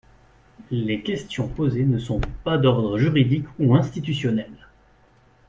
Les questions posées ne sont pas d’ordre juridique ou institutionnel.